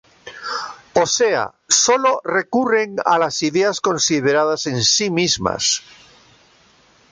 O sea, sólo recurren a las ideas consideradas en sí mismas.